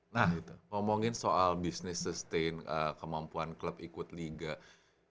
nah ngomongin soal bisnis sustain kemampuan club ikut liga ini kan sebenernya yang lagi hangat diomongin ya bro ini kan sekarang